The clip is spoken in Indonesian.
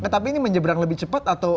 tapi ini menyeberang lebih cepat atau